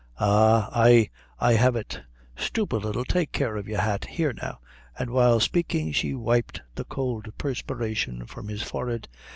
"Ah, ay, I have it; stoop a little; take care of your hat; here now," and while speaking she wiped the cold perspiration from his forehead.